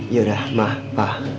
yaudah ma pa